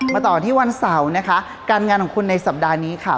ต่อที่วันเสาร์นะคะการงานของคุณในสัปดาห์นี้ค่ะ